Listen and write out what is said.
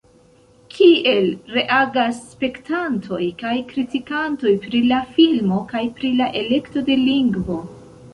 Kiel reagas spektantoj kaj kritikantoj pri la filmo, kaj pri la elekto de lingvo?